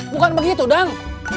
bukan begitu dang